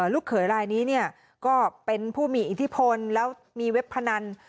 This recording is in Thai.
ลูกเขยรายนี้ก็เป็นผู้มีอิทธิพลแล้วมีเว็บพนัน